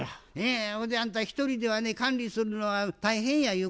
ほんであんた一人ではね管理するのは大変やゆう